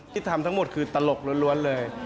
ที่ทำทั้งหมดคือตลกล้วนเลย